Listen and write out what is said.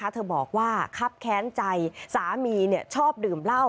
เธอบอกว่าครับแค้นใจสามีชอบดื่มเหล้า